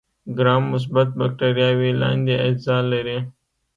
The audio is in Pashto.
ګرام مثبت بکټریاوې لاندې اجزا لري.